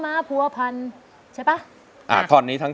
มาร้องว่าไงขอหน่อยหนึ่ง